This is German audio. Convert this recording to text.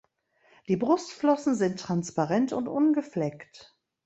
Die Brustflossen sind transparent und ungefleckt.